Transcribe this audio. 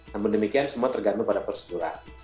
namun demikian semua tergantung pada prosedural